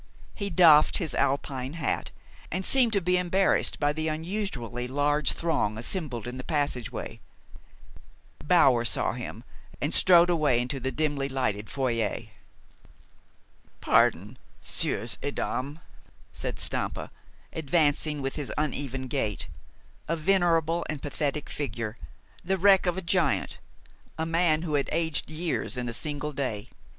He doffed his Alpine hat, and seemed to be embarrassed by the unusually large throng assembled in the passageway. Bower saw him, and strode away into the dimly lighted foyer. "Pardon, 'sieurs et 'dames," said Stampa, advancing with his uneven gait, a venerable and pathetic figure, the wreck of a giant, a man who had aged years in a single day.